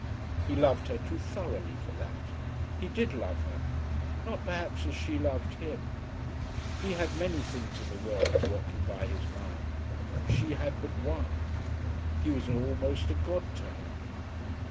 He loved her too thoroughly for that. He did love her not perhaps as she loved him. He had many things in the world to occupy his mind, and she had but one. He was almost a god to her.